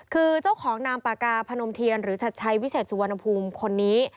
คือเจ้าของนามปากกาพนมเทียนหรือชัดชัยวิเศษสุวรรณภูมิคนนี้